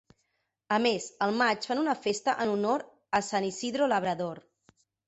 A més, al maig fan una festa en honor a San Isidro Labrador.